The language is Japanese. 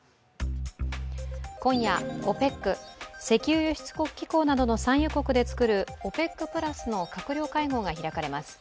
今夜、ＯＰＥＣ＝石油輸出国機構などの産油国で作るＯＰＥＣプラスの閣僚会合が開かれます。